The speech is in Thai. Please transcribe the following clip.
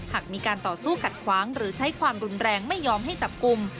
หากมีการต่อสู้ขัดขวางหรือใช้ความรุนแรงไม่ยอมให้จับกลุ่ม